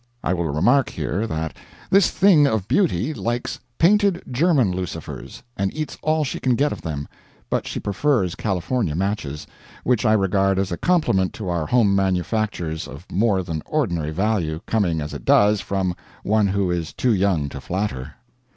(I will remark here that this thing of beauty likes painted German lucifers, and eats all she can get of them; but she prefers California matches, which I regard as a compliment to our home manufactures of more than ordinary value, coming, as it does, from one who is too young to flatter.)